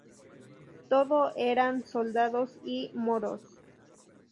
Todo eran soldados y moros.